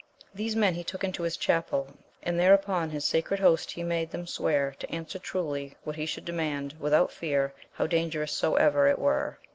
These men he took into his chapel, and there upon his sacred Host he made them swear to answer truly what he should demand, without fear, how dangerous soever it were.